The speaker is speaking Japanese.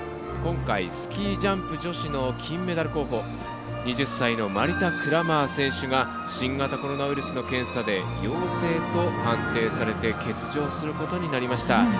今回、スキー・ジャンプ女子の金メダル候補２０歳のマリタ・クラマー選手が新型コロナウイルスの検査で陽性と判定されて欠場することになりました。